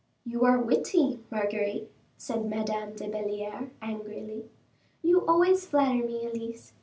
"You are witty, Marguerite," said Madame de Belliere, angrily. "You always flatter me, Elise.